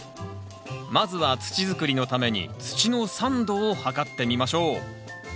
まずは土づくりのために土の酸度を測ってみましょう。